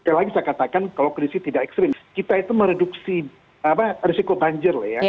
sekali lagi saya katakan kalau krisis tidak ekstrim kita itu mereduksi risiko banjir